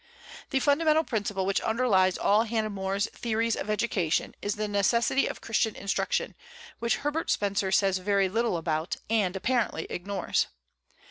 The fundamental principle which underlies all Hannah More's theories of education is the necessity of Christian instruction, which Herbert Spencer says very little about, and apparently ignores.